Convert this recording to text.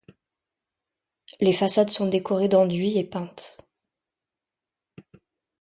Les façades sont décorées d’enduits et peintes.